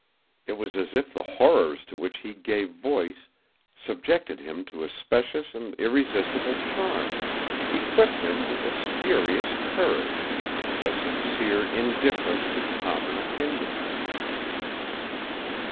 It was as if the horrors to which he gave voice subjected him to a specious and irresistible charm, equipped him with a spurious courage, a sincere indifference to common opinion.